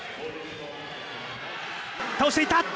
倒していった！